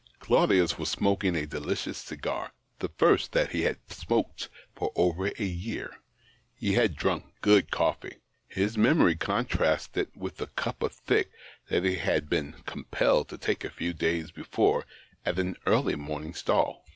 Claudius was smoking a delicious cigar, the first that he had smoked for over a year. He had drunk good coffee ; his memory contrasted it with the " cup o' thick " that he had been compelled to take a few days before at an early morning stall.